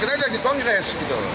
sedangkan lagi kongres